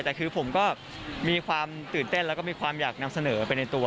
แต่คือผมก็มีความตื่นเต้นแล้วก็มีความอยากนำเสนอไปในตัว